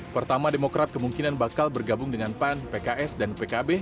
pertama demokrat kemungkinan bakal bergabung dengan pan pks dan pkb